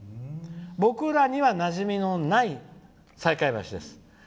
僕らにはなじみのない西海橋です。